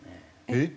えっ？